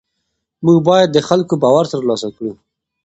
موږ باید د خلکو باور ترلاسه کړو.